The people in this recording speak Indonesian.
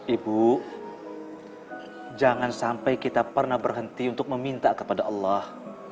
ibu jangan sampai kita pernah berhenti untuk meminta kepada allah